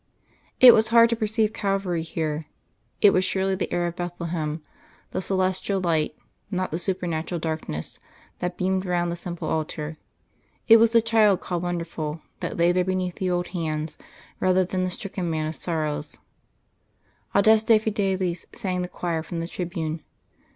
It was hard to perceive Calvary here; it was surely the air of Bethlehem, the celestial light, not the supernatural darkness, that beamed round the simple altar. It was the Child called Wonderful that lay there beneath the old hands, rather than the stricken Man of Sorrows. Adeste fideles sang the choir from the tribune.